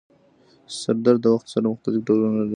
سردرد د وخت سره مختلف ډولونه لري.